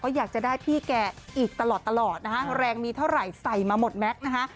อยากจะได้พี่แกอีกตลอดตลอดนะฮะแรงมีเท่าไหร่ใส่มาหมดแม็กซ์นะคะ